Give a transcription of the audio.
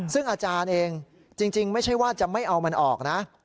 ซึ่งอาจารย์เองจริงไม่ใช่ว่าจะไม่เอามันออกนะ